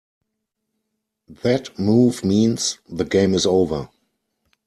That move means the game is over.